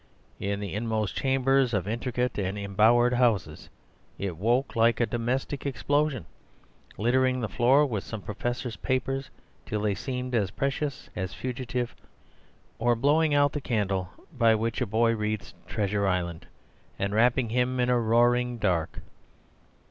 In the inmost chambers of intricate and embowered houses it woke like a domestic explosion, littering the floor with some professor's papers till they seemed as precious as fugitive, or blowing out the candle by which a boy read "Treasure Island" and wrapping him in roaring dark.